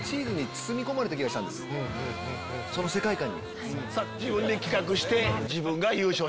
その世界観に。